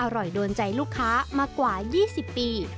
อร่อยโดนใจลูกค้ามากว่า๒๐ปี